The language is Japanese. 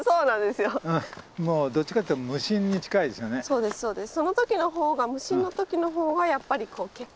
そうですそうです。